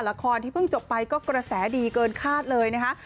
ละครที่เพิ่งจบไปก็กระแสดีเกินคาดเลยนะคะ